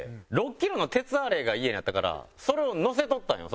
６キロの鉄アレイが家にあったからそれをのせとったんよ